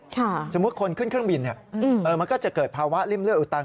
สมมุติคนขึ้นเครื่องบินมันก็จะเกิดภาวะริ่มเลืออุตัน